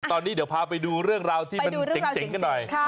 ตอนนี้เดี๋ยวพาไปดูเรื่องราวที่มันเจ๋งกันหน่อย